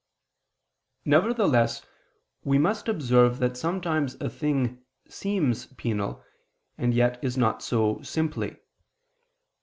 Nevertheless we must observe that sometimes a thing seems penal, and yet is not so simply.